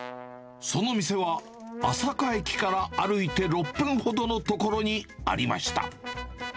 その店は朝霞駅から歩いて６分ほどの所にありました。